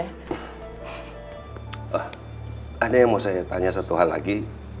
ada yang mau saya tanya satu hal lagi